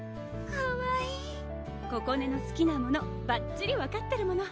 かわいいここねのすきなものばっちり分かってるもの